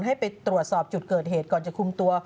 ให้ไปตรวจสอบจุดเกิดเหตุก่อนจะคุมตัว